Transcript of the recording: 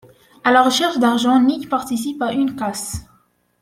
À la recherche d'argent, Nick participe à un casse.